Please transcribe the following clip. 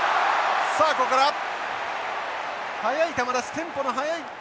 さあここから速い球出しテンポの速い。